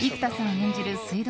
演じる水道